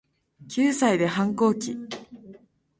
九歳で反抗期